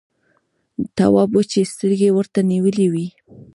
تواب وچې سترګې ورته نيولې وې…